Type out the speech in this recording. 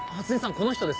この人です。